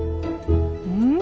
うん？